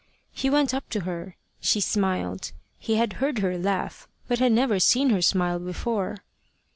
He went up to her. She smiled. He had heard her laugh, but had never seen her smile before.